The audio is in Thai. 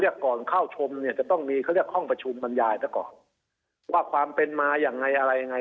เผื่อเข้าชมก็ต้องไปเรียกว่าความเป็นมาอย่างไร